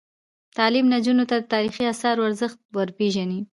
تعلیم نجونو ته د تاریخي اثارو ارزښت ور پېژني.